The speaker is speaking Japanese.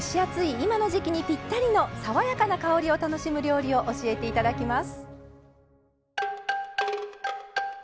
今の時季にぴったりの爽やかな香りを楽しむ料理を教えていただきます。